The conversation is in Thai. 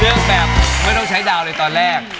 เลือกแบบไม่ต้องใช้ดาวเลยตอนแรก